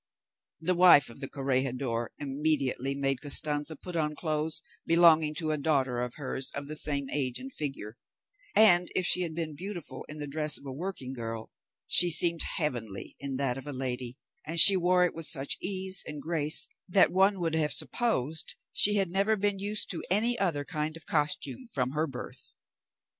The wife of the corregidor immediately made Costanza put on clothes belonging to a daughter of hers of the same age and figure, and if she had been beautiful in the dress of a working girl, she seemed heavenly in that of a lady, and she wore it with such ease and grace that one would have supposed she had never been used to any other kind of costume from her birth.